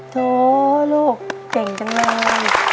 โถลูกเก่งจังเลย